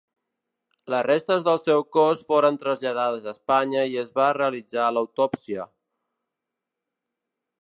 Les restes del seu cos foren traslladades a Espanya i es va realitzar l'autòpsia.